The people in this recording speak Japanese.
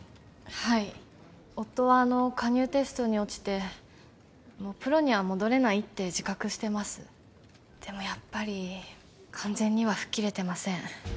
はい夫はあの加入テストに落ちてもうプロには戻れないって自覚してますでもやっぱり完全には吹っ切れてません